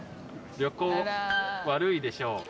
旅行、悪いでしょう。